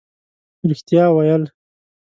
رښتیا ویل